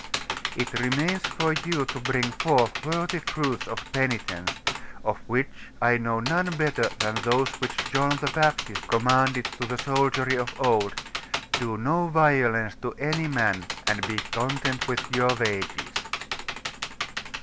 It remains for you to bring forth worthy fruits of penitence; of which I know none better than those which John the Baptist commanded to the soldiery of old, "Do no violence to any man, and be content with your wages."